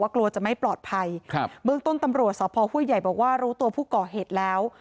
แค่มือ